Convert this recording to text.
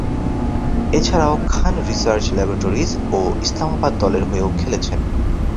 এছাড়াও, Khan research laboratories ও ইসলামাবাদ দলের হয়েও খেলেছেন।